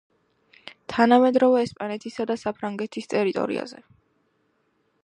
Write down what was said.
თანამედროვე ესპანეთისა და საფრანგეთის ტერიტორიაზე.